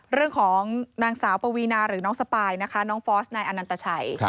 เรื่องของที่ชื่อนางสาวปวินาหรือน้องสะปายน้องฟอสนายอานันตชัย